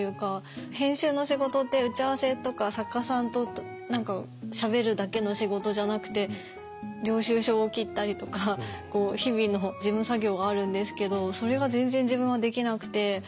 編集の仕事って打ち合わせとか作家さんと何かしゃべるだけの仕事じゃなくて領収書を切ったりとか日々の事務作業があるんですけどそれが全然自分はできなくて。